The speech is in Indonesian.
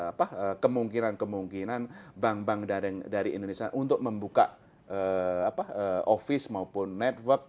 mbak gania bisa menyebutkan negara yang memang kemungkinan untuk membuat bank bank dari indonesia untuk membuka office maupun network